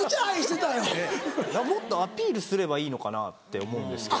もっとアピールすればいいのかなって思うんですけど。